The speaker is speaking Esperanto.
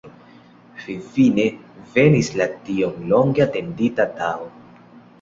Finfine venis la tiom longe atendita tago.